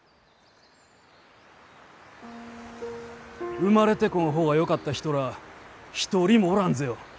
生まれてこん方がよかった人らあ一人もおらんぜよ。